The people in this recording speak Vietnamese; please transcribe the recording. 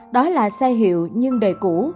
đó là xe hiệu nhưng đời cũ